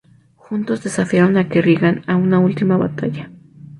Juntos desafiaron a Kerrigan a una última batalla.